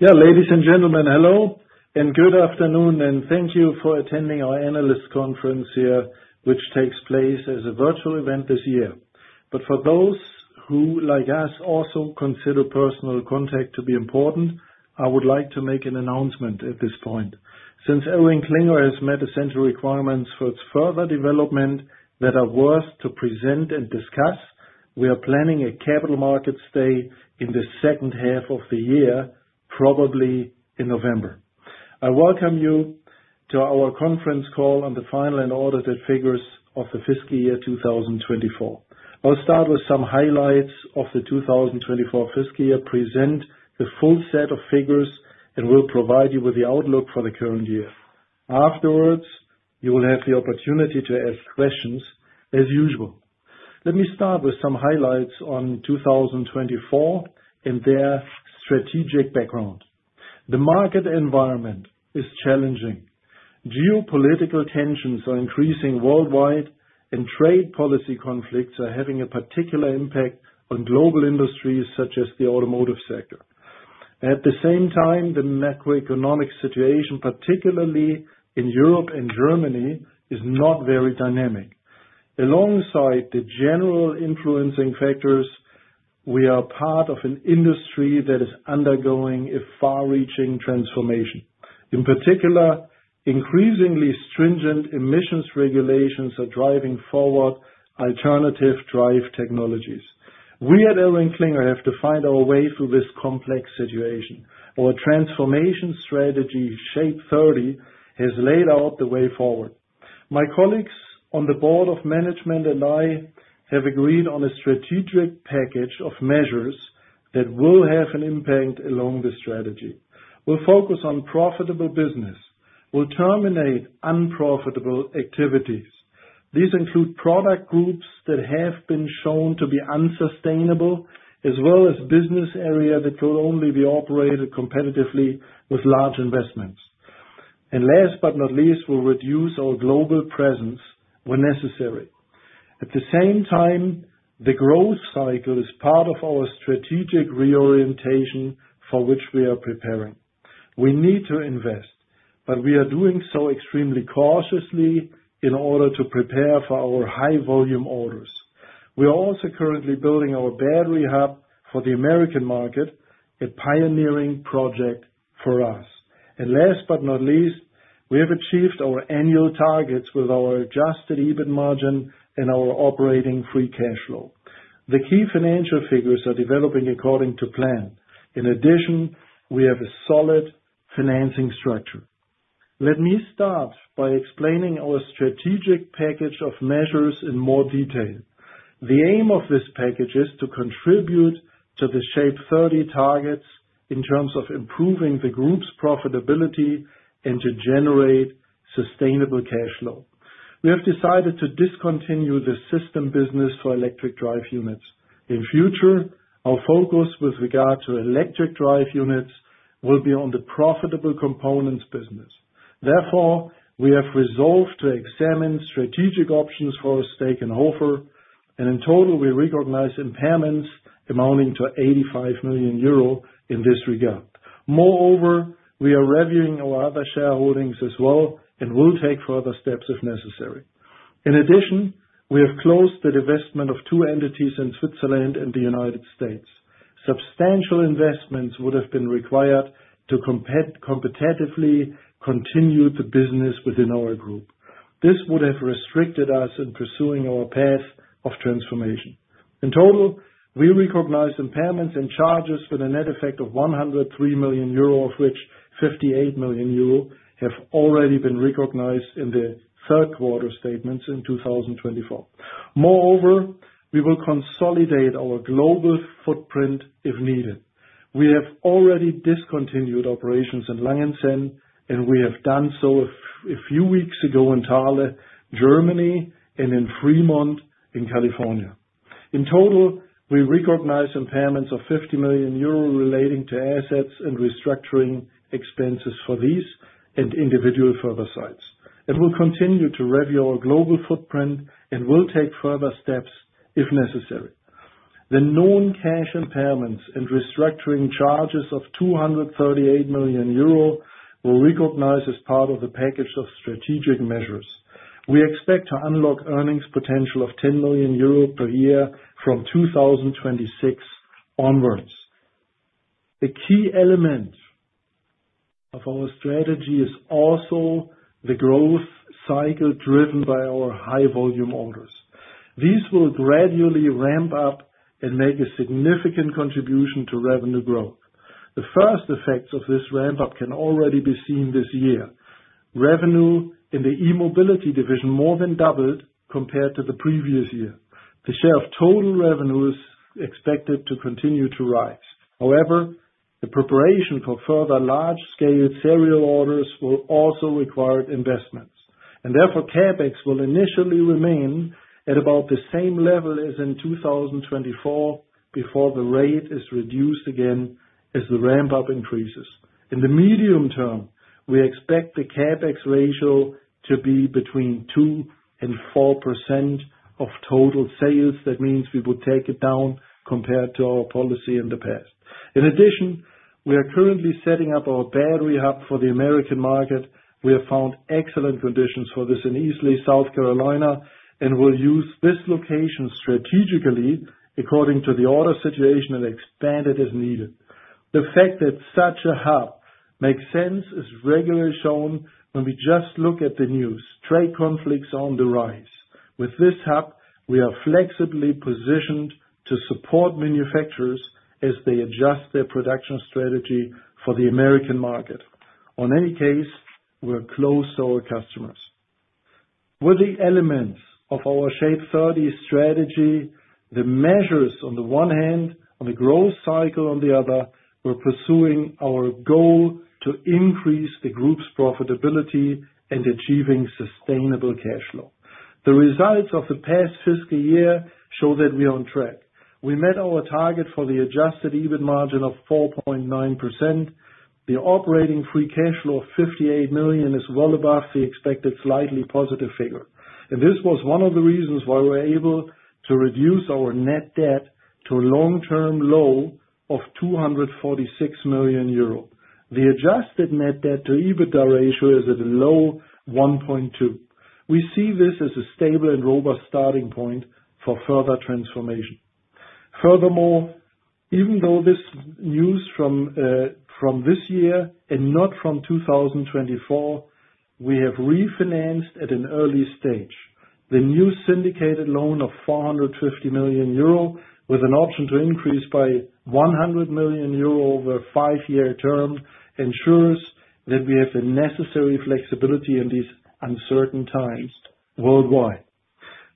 Yeah, ladies and gentlemen, hello, and good afternoon, and thank you for attending our analyst conference here, which takes place as a virtual event this year. For those who, like us, also consider personal contact to be important, I would like to make an announcement at this point. Since ElringKlinger has met essential requirements for its further development that are worth to present and discuss, we are planning a capital markets day in the second half of the year, probably in November. I welcome you to our conference call on the final and audited figures of the fiscal year 2024. I'll start with some highlights of the 2024 fiscal year, present the full set of figures, and will provide you with the outlook for the current year. Afterwards, you will have the opportunity to ask questions, as usual. Let me start with some highlights on 2024 and their strategic background. The market environment is challenging. Geopolitical tensions are increasing worldwide, and trade policy conflicts are having a particular impact on global industries such as the automotive sector. At the same time, the macroeconomic situation, particularly in Europe and Germany, is not very dynamic. Alongside the general influencing factors, we are part of an industry that is undergoing a far-reaching transformation. In particular, increasingly stringent emissions regulations are driving forward alternative drive technologies. We at ElringKlinger have to find our way through this complex situation. Our transformation strategy, Shape 30, has laid out the way forward. My colleagues on the Board of Management and I have agreed on a strategic package of measures that will have an impact along the strategy. We'll focus on profitable business. We'll terminate unprofitable activities. These include product groups that have been shown to be unsustainable, as well as business areas that could only be operated competitively with large investments. Last but not least, we will reduce our global presence when necessary. At the same time, the growth cycle is part of our strategic reorientation for which we are preparing. We need to invest, but we are doing so extremely cautiously in order to prepare for our high-volume orders. We are also currently building our battery hub for the American market, a pioneering project for us. Last but not least, we have achieved our annual targets with our adjusted EBIT margin and our operating free cash flow. The key financial figures are developing according to plan. In addition, we have a solid financing structure. Let me start by explaining our strategic package of measures in more detail. The aim of this package is to contribute to the Shape 30 targets in terms of improving the group's profitability and to generate sustainable cash flow. We have decided to discontinue the system business for electric drive units. In future, our focus with regard to electric drive units will be on the profitable components business. Therefore, we have resolved to examine strategic options for our stake in Hofer, and in total, we recognize impairments amounting to 85 million euro in this regard. Moreover, we are reviewing our other shareholdings as well and will take further steps if necessary. In addition, we have closed the divestment of two entities in Switzerland and the United States. Substantial investments would have been required to competitively continue the business within our group. This would have restricted us in pursuing our path of transformation. In total, we recognize impairments and charges with a net effect of 103 million euro, of which 58 million euro have already been recognized in the third quarter statements in 2024. Moreover, we will consolidate our global footprint if needed. We have already discontinued operations in Langenzenn, and we have done so a few weeks ago in Thale, Germany, and in Fremont in California. In total, we recognize impairments of 50 million euro relating to assets and restructuring expenses for these and individual further sites. We will continue to review our global footprint and will take further steps if necessary. The known cash impairments and restructuring charges of 238 million euro were recognized as part of the package of strategic measures. We expect to unlock earnings potential of 10 million euro per year from 2026 onwards. A key element of our strategy is also the growth cycle driven by our high-volume orders. These will gradually ramp up and make a significant contribution to revenue growth. The first effects of this ramp-up can already be seen this year. Revenue in the e-mobility division more than doubled compared to the previous year. The share of total revenue is expected to continue to rise. However, the preparation for further large-scale serial orders will also require investments. Therefore, CapEx will initially remain at about the same level as in 2024 before the rate is reduced again as the ramp-up increases. In the medium term, we expect the CapEx ratio to be between 2% and 4% of total sales. That means we would take it down compared to our policy in the past. In addition, we are currently setting up our battery hub for the American market. We have found excellent conditions for this in Easley, South Carolina, and will use this location strategically according to the order situation and expand it as needed. The fact that such a hub makes sense is regularly shown when we just look at the news. Trade conflicts are on the rise. With this hub, we are flexibly positioned to support manufacturers as they adjust their production strategy for the American market. In any case, we're close to our customers. With the elements of our Shape 30 strategy, the measures on the one hand, on the growth cycle on the other, we're pursuing our goal to increase the group's profitability and achieving sustainable cash flow. The results of the past fiscal year show that we are on track. We met our target for the adjusted EBIT margin of 4.9%. The operating free cash flow of 58 million is well above the expected slightly positive figure. This was one of the reasons why we were able to reduce our net debt to a long-term low of 246 million euro. The adjusted net debt to EBITDA ratio is at a low of 1.2. We see this as a stable and robust starting point for further transformation. Furthermore, even though this news is from this year and not from 2024, we have refinanced at an early stage. The new syndicated loan of 450 million euro with an option to increase by 100 million euro over a five-year term ensures that we have the necessary flexibility in these uncertain times worldwide.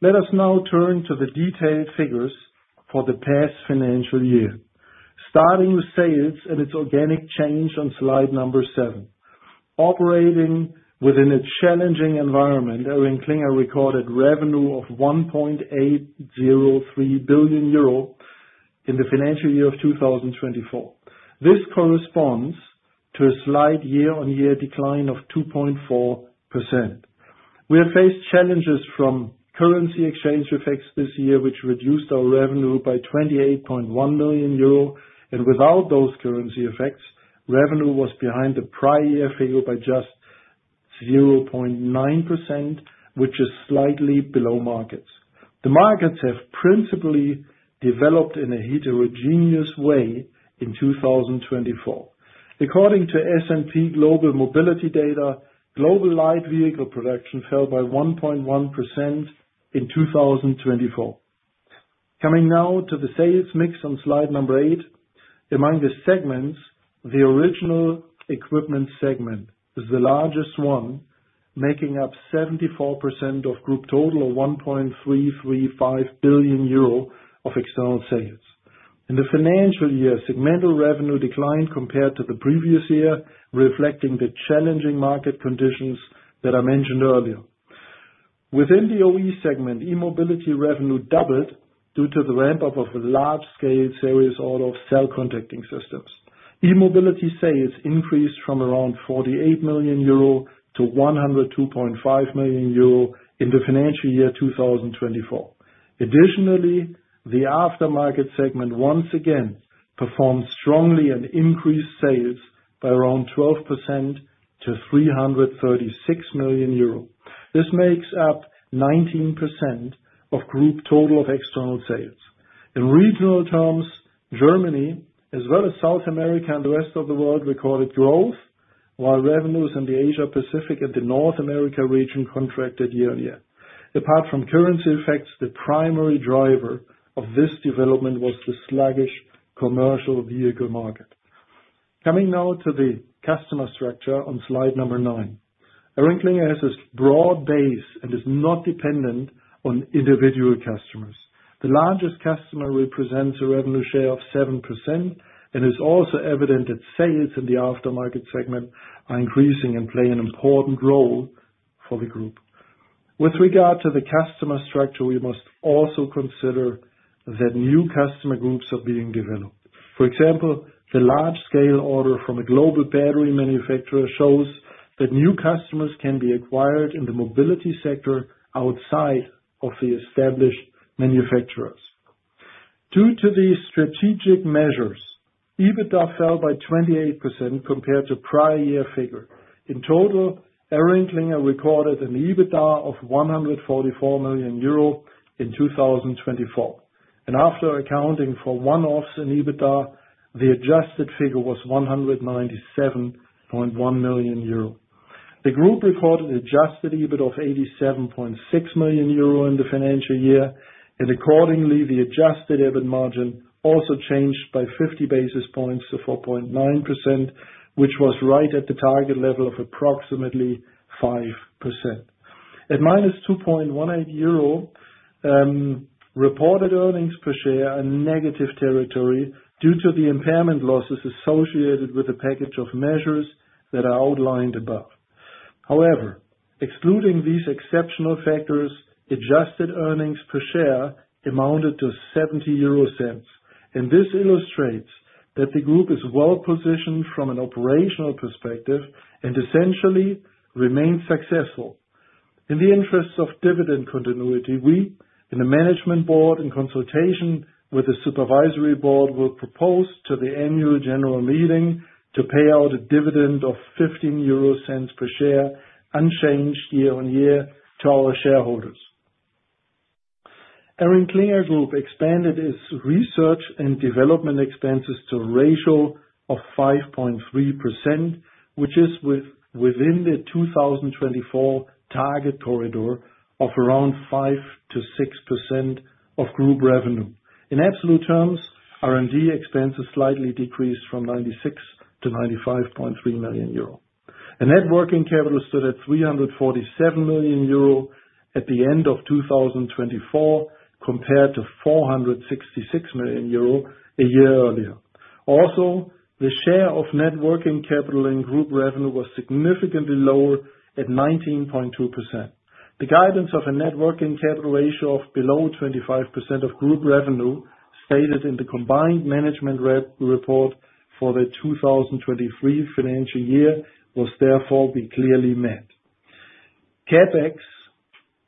Let us now turn to the detailed figures for the past financial year, starting with sales and its organic change on slide number seven. Operating within a challenging environment, ElringKlinger recorded revenue of 1.803 billion euro in the financial year of 2024. This corresponds to a slight year-on-year decline of 2.4%. We have faced challenges from currency exchange effects this year, which reduced our revenue by 28.1 million euro. Without those currency effects, revenue was behind the prior year figure by just 0.9%, which is slightly below markets. The markets have principally developed in a heterogeneous way in 2024. According to S&P Global Mobility Data, global light vehicle production fell by 1.1% in 2024. Coming now to the sales mix on slide number eight, among the segments, the original equipment segment is the largest one, making up 74% of group total of 1.335 billion euro of external sales. In the financial year, segmental revenue declined compared to the previous year, reflecting the challenging market conditions that I mentioned earlier. Within the OE segment, e-mobility revenue doubled due to the ramp-up of a large-scale series order of cell contacting systems. E-mobility sales increased from around 48 million euro to 102.5 million euro in the financial year 2024. Additionally, the aftermarket segment once again performed strongly and increased sales by around 12% to 336 million euro. This makes up 19% of group total of external sales. In regional terms, Germany, as well as South America and the rest of the world, recorded growth, while revenues in the Asia-Pacific and the North America region contracted year on year. Apart from currency effects, the primary driver of this development was the sluggish commercial vehicle market. Coming now to the customer structure on slide number nine, ElringKlinger has a broad base and is not dependent on individual customers. The largest customer represents a revenue share of 7%, and it's also evident that sales in the aftermarket segment are increasing and play an important role for the group. With regard to the customer structure, we must also consider that new customer groups are being developed. For example, the large-scale order from a global battery manufacturer shows that new customers can be acquired in the mobility sector outside of the established manufacturers. Due to these strategic measures, EBITDA fell by 28% compared to prior year figure. In total, ElringKlinger recorded an EBITDA of 144 million euro in 2024. After accounting for one-offs in EBITDA, the adjusted figure was 197.1 million euro. The group recorded adjusted EBIT of 87.6 million euro in the financial year, and accordingly, the adjusted EBIT margin also changed by 50 basis points to 4.9%, which was right at the target level of approximately 5%. At -2.18 euro, reported earnings per share are in negative territory due to the impairment losses associated with the package of measures that are outlined above. However, excluding these exceptional factors, adjusted earnings per share amounted to 0.70. This illustrates that the group is well positioned from an operational perspective and essentially remained successful. In the interests of dividend continuity, we, in the Management Board in consultation with the Supervisory Board, will propose to the Annual General Meeting to pay out a dividend of 15 euro cents per share unchanged year on year to our shareholders. ElringKlinger Group expanded its research and development expenses to a ratio of 5.3%, which is within the 2024 target corridor of around 5%-6% of group revenue. In absolute terms, R&D expenses slightly decreased from 96 million to 95.3 million euro. Net working capital stood at 347 million euro at the end of 2024 compared to 466 million euro a year earlier. Also, the share of net working capital in group revenue was significantly lower at 19.2%. The guidance of a net working capital ratio of below 25% of group revenue stated in the combined management report for the 2023 financial year was therefore clearly met. CapEx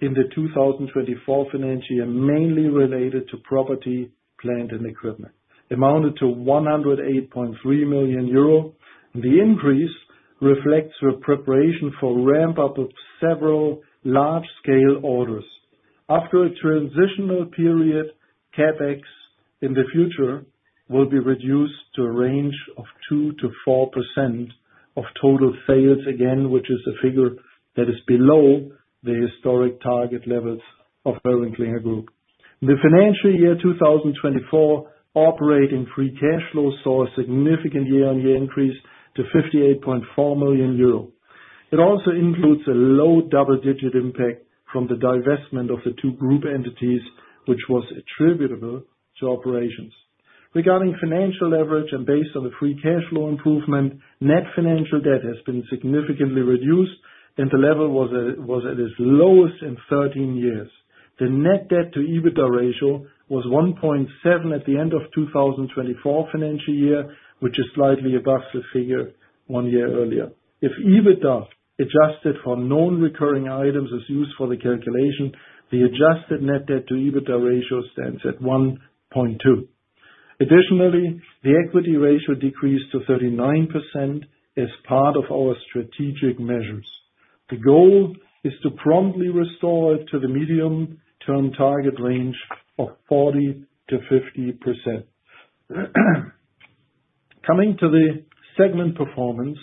in the 2024 financial year mainly related to property, plant, and equipment amounted to 108.3 million euro. The increase reflects the preparation for ramp-up of several large-scale orders. After a transitional period, CapEx in the future will be reduced to a range of 2%-4% of total sales again, which is a figure that is below the historic target levels of ElringKlinger Group. The financial year 2024 operating free cash flow saw a significant year-on-year increase to 58.4 million euro. It also includes a low double-digit impact from the divestment of the two group entities, which was attributable to operations. Regarding financial leverage and based on the free cash flow improvement, net financial debt has been significantly reduced, and the level was at its lowest in 13 years. The net debt to EBITDA ratio was 1.7 at the end of the 2024 financial year, which is slightly above the figure one year earlier. If EBITDA adjusted for known recurring items as used for the calculation, the adjusted net debt to EBITDA ratio stands at 1.2. Additionally, the equity ratio decreased to 39% as part of our strategic measures. The goal is to promptly restore it to the medium-term target range of 40%-50%. Coming to the segment performance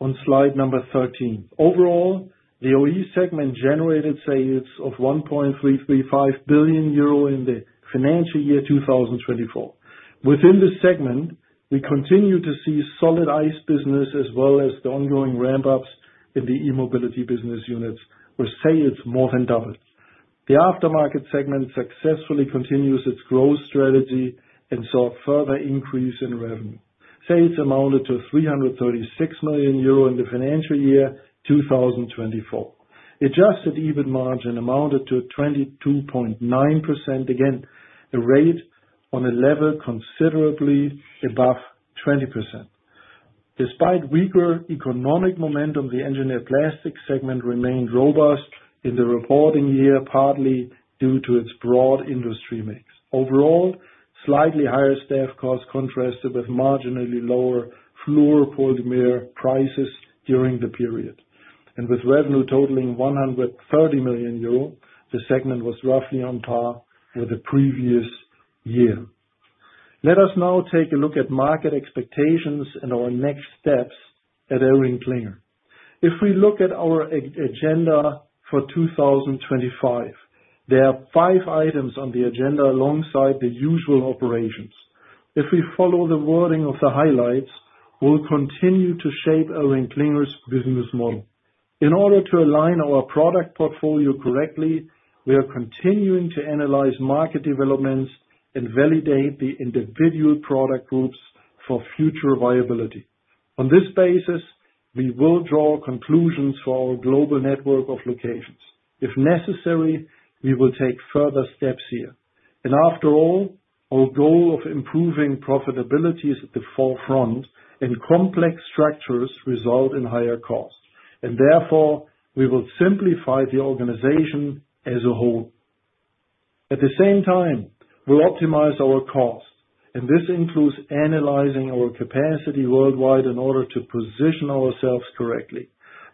on slide number 13, overall, the OE segment generated sales of 1.335 billion euro in the financial year 2024. Within the segment, we continue to see solid ICE business as well as the ongoing ramp-ups in the e-mobility business units, where sales more than doubled. The aftermarket segment successfully continues its growth strategy and saw a further increase in revenue. Sales amounted to 336 million euro in the financial year 2024. Adjusted EBIT margin amounted to 22.9%, again a rate on a level considerably above 20%. Despite weaker economic momentum, the engineered plastics segment remained robust in the reporting year, partly due to its broad industry mix. Overall, slightly higher staff costs contrasted with marginally lower fluoropolymer prices during the period. With revenue totaling 130 million euro, the segment was roughly on par with the previous year. Let us now take a look at market expectations and our next steps at ElringKlinger. If we look at our agenda for 2025, there are five items on the agenda alongside the usual operations. If we follow the wording of the highlights, we'll continue to shape ElringKlinger's business model. In order to align our product portfolio correctly, we are continuing to analyze market developments and validate the individual product groups for future viability. On this basis, we will draw conclusions for our global network of locations. If necessary, we will take further steps here. After all, our goal of improving profitability is at the forefront, and complex structures result in higher costs. Therefore, we will simplify the organization as a whole. At the same time, we'll optimize our costs. This includes analyzing our capacity worldwide in order to position ourselves correctly.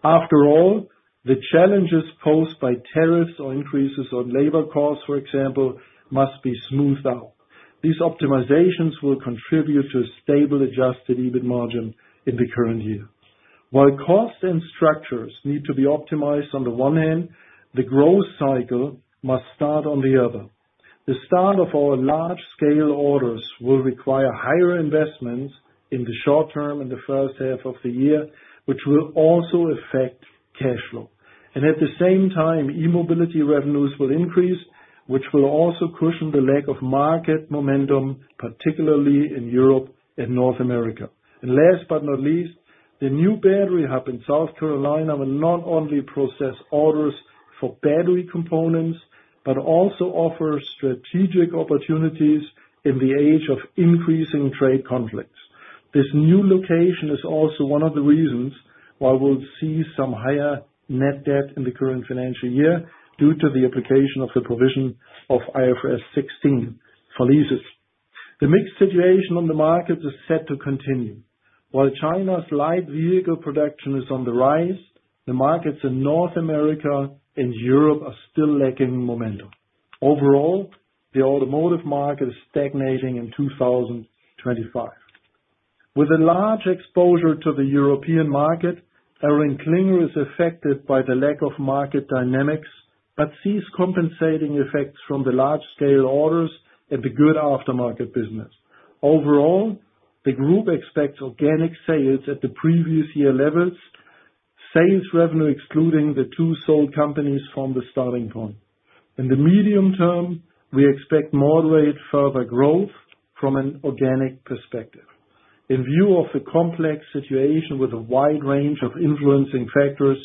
After all, the challenges posed by tariffs or increases on labor costs, for example, must be smoothed out. These optimizations will contribute to a stable adjusted EBIT margin in the current year. While costs and structures need to be optimized on the one hand, the growth cycle must start on the other. The start of our large-scale orders will require higher investments in the short term in the first half of the year, which will also affect cash flow. At the same time, e-mobility revenues will increase, which will also cushion the lack of market momentum, particularly in Europe and North America. Last but not least, the new battery hub in South Carolina will not only process orders for battery components, but also offer strategic opportunities in the age of increasing trade conflicts. This new location is also one of the reasons why we'll see some higher net debt in the current financial year due to the application of the provision of IFRS 16 for leases. The mixed situation on the markets is set to continue. While China's light vehicle production is on the rise, the markets in North America and Europe are still lacking momentum. Overall, the automotive market is stagnating in 2025. With a large exposure to the European market, ElringKlinger is affected by the lack of market dynamics but sees compensating effects from the large-scale orders and the good aftermarket business. Overall, the group expects organic sales at the previous year levels, sales revenue excluding the two sold companies from the starting point. In the medium term, we expect moderate further growth from an organic perspective. In view of the complex situation with a wide range of influencing factors,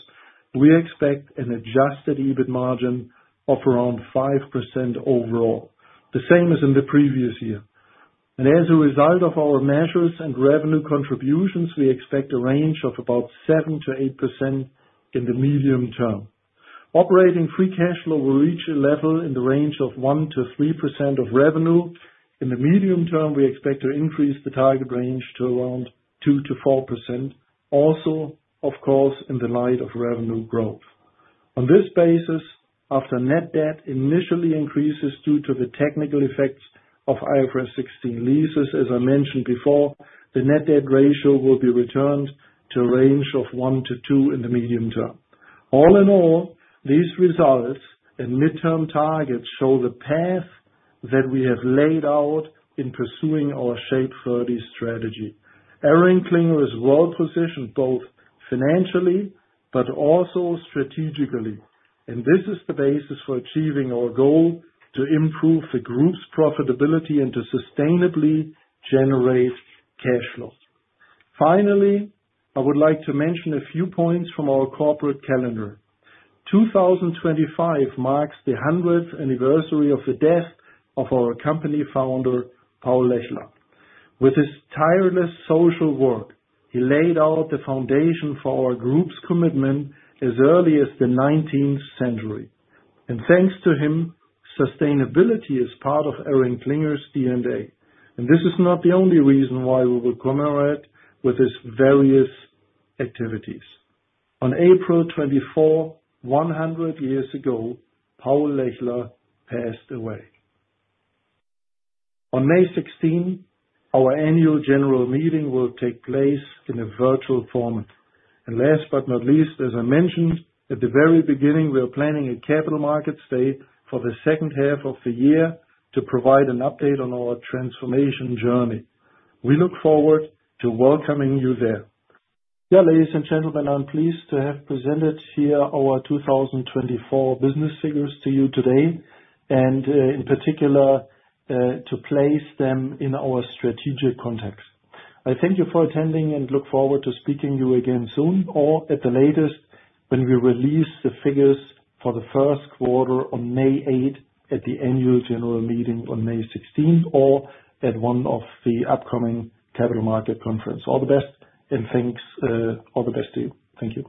we expect an adjusted EBIT margin of around 5% overall, the same as in the previous year. As a result of our measures and revenue contributions, we expect a range of about 7%-8% in the medium term. Operating free cash flow will reach a level in the range of 1%-3% of revenue. In the medium term, we expect to increase the target range to around 2%-4%, also, of course, in the light of revenue growth. On this basis, after net debt initially increases due to the technical effects of IFRS 16 leases, as I mentioned before, the net debt ratio will be returned to a range of 1%-2% in the medium term. All in all, these results and midterm targets show the path that we have laid out in pursuing our Shape 30 strategy. ElringKlinger is well positioned both financially but also strategically. This is the basis for achieving our goal to improve the group's profitability and to sustainably generate cash flow. Finally, I would like to mention a few points from our corporate calendar. 2025 marks the 100th anniversary of the death of our company founder, Paul Lechler. With his tireless social work, he laid out the foundation for our group's commitment as early as the 19th century. Thanks to him, sustainability is part of ElringKlinger's DNA. This is not the only reason why we were commemorated with his various activities. On April 24, 100 years ago, Paul Lechler passed away. On May 16, our annual general meeting will take place in a virtual format. Last but not least, as I mentioned at the very beginning, we are planning a capital markets day for the second half of the year to provide an update on our transformation journey. We look forward to welcoming you there. Dear ladies and gentlemen, I'm pleased to have presented here our 2024 business figures to you today and, in particular, to place them in our strategic context. I thank you for attending and look forward to speaking to you again soon or at the latest when we release the figures for the first quarter on May 8 at the annual general meeting on May 16 or at one of the upcoming capital market conferences. All the best and thanks. All the best to you. Thank you.